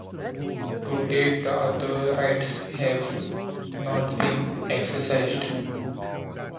To date the other rights have not been exercised.